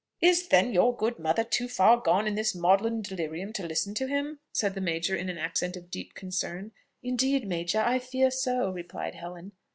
"Is, then, your good mother too far gone in this maudlin delirium to listen to him?" said the major in an accent of deep concern. "Indeed, major, I fear so," replied Helen.